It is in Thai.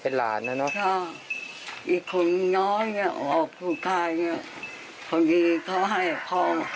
หลานนะเนอะอีกคนน้อยเนี่ยออกผู้ชายเนี่ยบางทีเขาให้พ่อ